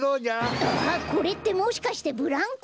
あっこれってもしかしてブランコ？